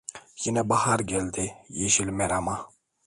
Yine bahar geldi yeşil Meram'a.